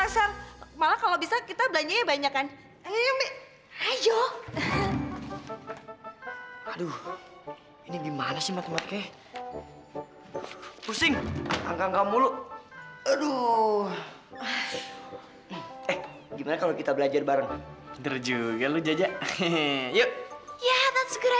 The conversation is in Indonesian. sampai jumpa di video selanjutnya